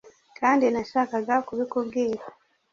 kandi nashakaga kubikubwira.